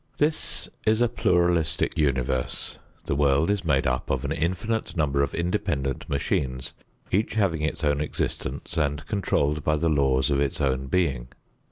This is a pluralistic universe. The world is made up of an infinite number of independent machines, each having its own existence and controlled by the laws of its own being.